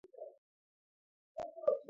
აქტიურად იბრძოდა ქალთა უფლებების დაცვისათვის.